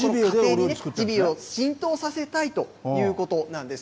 ジビエを浸透させたいということなんです。